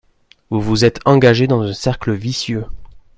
Vous vous êtes engagé dans un cercle vicieux